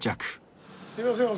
すいません